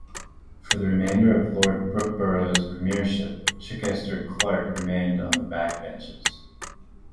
For the remainder of Lord Brookeborough's Premiership, Chichester-Clark remained on the back benches.